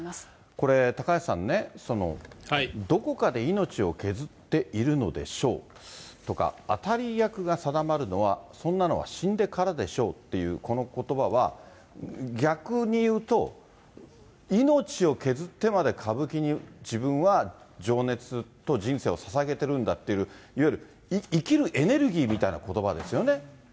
これ、高橋さんね、どこかで命を削っているのでしょうとか当たり役が定まるのは、そんなのは死んでからでしょうっていう、このことばは、逆に言うと、命を削ってまで歌舞伎に自分は情熱と人生をささげてるんだっていう、いわゆる生きるエネルギーみたいなことばですよね。